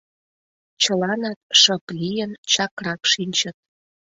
Чыланат, шып лийын, чакрак шинчыт.